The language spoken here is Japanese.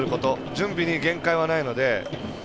準備に限界はないので。